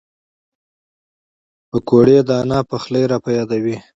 پکورې د نیا پخلی را په یادوي